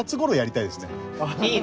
いいね。